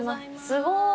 すごい。